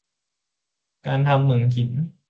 การทำเหมืองหิน